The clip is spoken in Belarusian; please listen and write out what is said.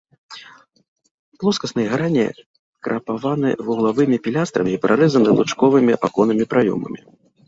Плоскасныя грані крапаваны вуглавымі пілястрамі і прарэзаны лучковымі аконнымі праёмамі.